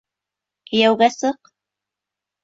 Кейәүгә сыҡ!